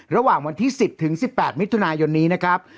ระหว่างวันที่๑๐ถึง๑๘มิถุนายนนี้นะครับ